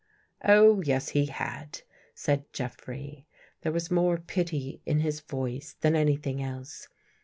" Oh, yes, he had," said Jeffrey. There was more pity in his voice than anything else.